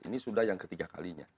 ini sudah yang ketiga kalinya